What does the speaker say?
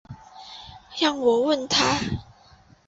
让我问他